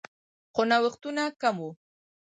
خو نوښتونه کم وو